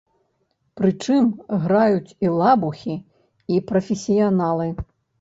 Прычым, граюць і лабухі і прафесіяналы.